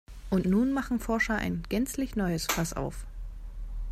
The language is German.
Und nun machen Forscher ein gänzlich neues Fass auf.